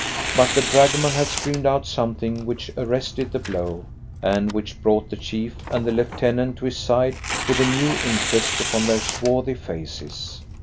But the dragoman had screamed out something which arrested the blow, and which brought the chief and the lieutenant to his side with a new interest upon their swarthy faces.